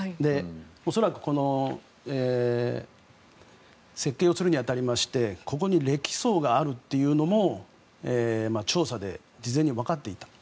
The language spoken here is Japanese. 恐らくこの設計をするに当たりましてここに礫層があるというのも調査で事前に分かっていた。